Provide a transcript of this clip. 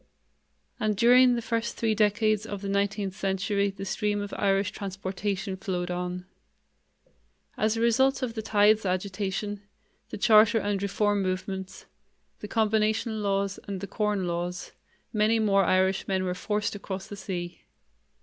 And during the first three decades of the nineteenth century the stream of Irish transportation flowed on. As a result of the Tithes agitation, the Charter and Reform movements, the Combination Laws and the Corn Laws, many more Irishmen were forced across the sea.